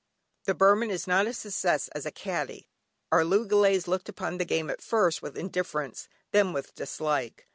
The Burman is not a success as a caddie. Our loogalays looked upon the game at first with indifference, then with dislike.